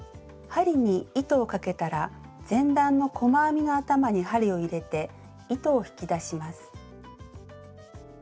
針に糸をかけたら前段の細編みの頭に針を入れて糸を引き出します。